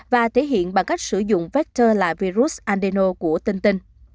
và thể hiện bằng cách sử dụng vector là virus adeno của tinh tinh